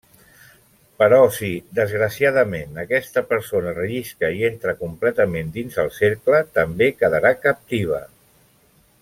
Però si, desgraciadament, aquesta persona rellisca i entra completament dins el cercle també quedarà captiva.